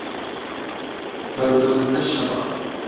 بارودۆخەکە شڕە.